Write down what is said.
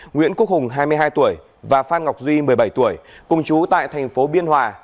nguyễn quốc hùng hai mươi hai tuổi và phan ngọc duy một mươi bảy tuổi cùng chú tại thành phố biên hòa